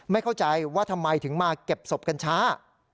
เข้าใจว่าทำไมถึงมาเก็บศพกันช้า